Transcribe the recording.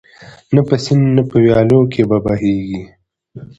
نه په سیند نه په ویالو کي به بهیږي